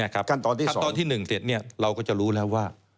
ขั้นตอนที่๑เสร็จเนี่ยเราก็จะรู้แล้วว่า